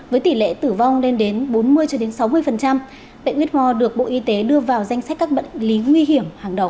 với tỷ lệ tử vong lên đến bốn mươi sáu mươi bệnh whore được bộ y tế đưa vào danh sách các bệnh lý nguy hiểm hàng đầu